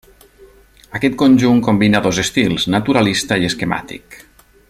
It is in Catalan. Aquest conjunt combina dos estils, naturalista i esquemàtic.